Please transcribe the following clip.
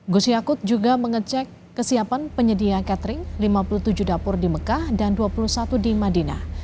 gus yakut juga mengecek kesiapan penyedia catering lima puluh tujuh dapur di mekah dan dua puluh satu di madinah